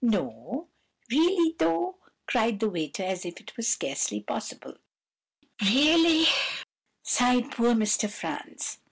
"'No—really though?' cried the waiter, as if it were scarcely possible. "'Really,' sighed poor Mr. Franz.